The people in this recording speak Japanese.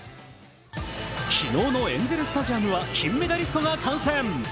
昨日のエンゼルスタジアムは金メダリストが観戦。